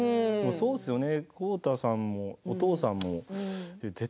そうですね。